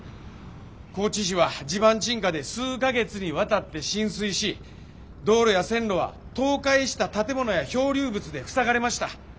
高知市は地盤沈下で数か月にわたって浸水し道路や線路は倒壊した建物や漂流物で塞がれました。